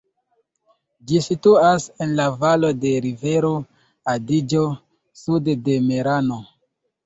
Ĝi situas en la valo de rivero Adiĝo sude de Merano.